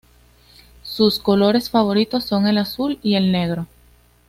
Sus colores favoritos son el azul y el negro.